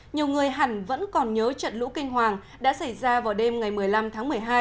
nhiều người hẳn vẫn còn nhớ trận lũ kinh hoàng đã xảy ra vào đêm ngày một mươi năm tháng một mươi hai